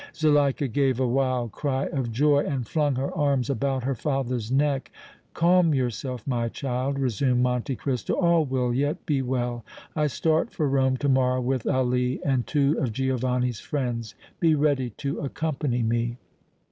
Zuleika gave a wild cry of joy and flung her arms about her father's neck. "Calm yourself, my child," resumed Monte Cristo; "all will yet be well. I start for Rome to morrow with Ali and two of Giovanni's friends. Be ready to accompany me!"